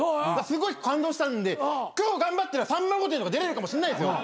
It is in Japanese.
すごい感動したんで今日頑張ったら『さんま御殿！！』とか出れるかもしんないですよ。